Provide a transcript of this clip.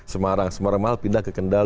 semarang semarang mahal dia pindah ke kendal